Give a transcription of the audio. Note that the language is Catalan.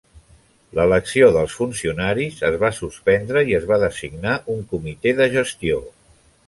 L'elecció dels funcionaris es va suspendre i es va designar un comitè de gestió.